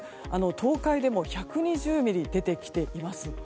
東海でも１２０ミリ出てきています。